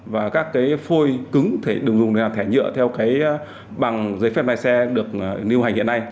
và các cái phôi cứng được dùng để làm thẻ nhựa theo cái bằng giấy phép lái xe được lưu hành hiện nay